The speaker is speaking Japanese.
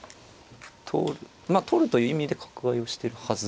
まあ取るという意味で角合いをしてるはずです。